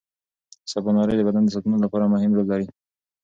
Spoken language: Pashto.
سباناري د بدن ساعتونو لپاره مهمه رول لري.